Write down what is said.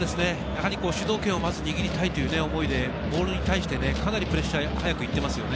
主導権を握りたいという思いでボールに対してかなりプレッシャー早く行っていますね。